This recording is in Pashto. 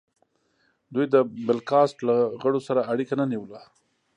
دوی د بل کاسټ له غړو سره اړیکه نه نیوله.